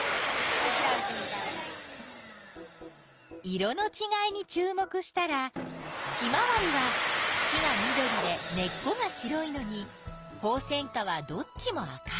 色のちがいにちゅう目したらヒマワリはくきが緑で根っこが白いのにホウセンカはどっちも赤い。